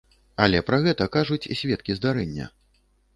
Але пра гэта кажуць сведкі здарэння.